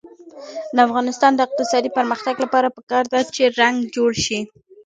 د افغانستان د اقتصادي پرمختګ لپاره پکار ده چې رنګ جوړ شي.